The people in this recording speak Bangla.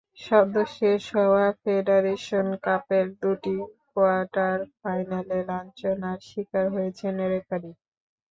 সদ্য শেষ হওয়া ফেডারেশন কাপের দুটি কোয়ার্টার ফাইনালে লাঞ্ছনার শিকার হয়েছেন রেফারি।